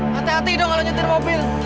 hati hati dong kalau nyetir mobil